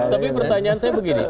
tapi pertanyaan saya begini